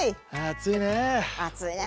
暑いねえ。